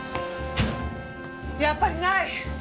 やっぱりない！